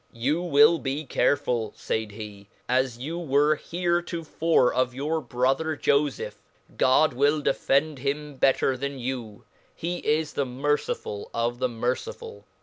You will be careful, faid he, as you were heiecofore of your brother fofeph', God will defend him better th.n you, he is the merci ful of the merciful.